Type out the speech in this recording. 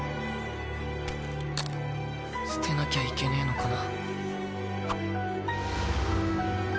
捨てなきゃいけねぇのかな。